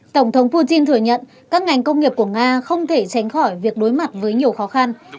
tổng thống putin thừa nhận các ngành công nghiệp của nga không thể tránh khỏi việc đối mặt với nhiều khó khăn